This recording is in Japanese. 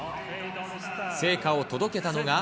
聖火を届けたのが。